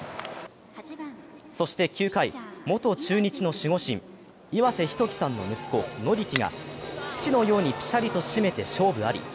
そして９回、元中日の守護神、岩瀬仁紀さんの息子、法樹が父のようにぴしゃりと締めて勝負あり。